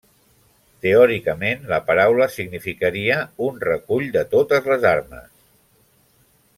Teòricament, la paraula significaria un 'recull de totes les armes'.